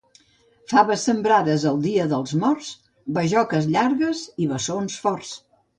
Faves sembrades el dia dels morts, bajoques llargues i bessons forts.